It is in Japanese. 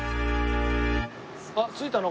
あっ着いたの？